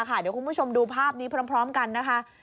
เดี๋ยวคุณผู้ชมดูภาพนี้พร้อมกันนะคะ